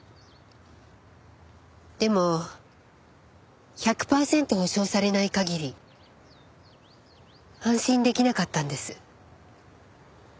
でも１００パーセント保証されない限り安心出来なかったんです。